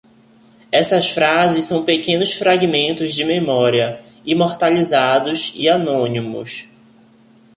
Essas frases são pequenos fragmentos de memória, imortalizados, e anônimos.